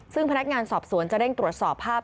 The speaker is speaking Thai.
ซึ่งพนักงานสอบสวนจะเร่งตรวจสอบภาพ